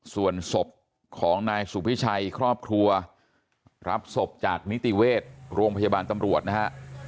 ส่วนศพของนายสุพิชัยครอบครัวรับศพจากนิติเวชโรงพยาบาลตำรวจนะฮะ